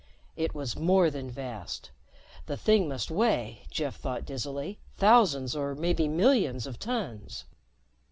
It was more than vast. The thing must weigh, Jeff thought dizzily, thousands or maybe millions of tons.